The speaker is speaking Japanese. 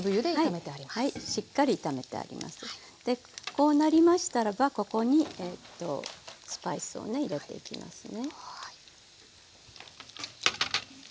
でこうなりましたらばここにスパイスをね入れていきますね。